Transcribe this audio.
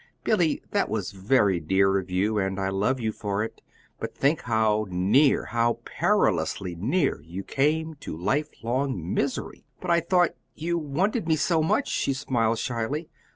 Billy, that was very dear of you, and I love you for it; but think how near how perilously near you came to lifelong misery!" "But I thought you wanted me so much," she smiled shyly.